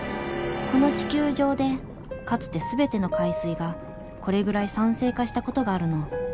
この地球上でかつて全ての海水がこれぐらい酸性化したことがあるの。